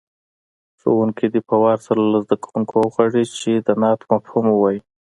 ښوونکی دې په وار سره له زده کوونکو وغواړي چې د نعت مفهوم ووایي.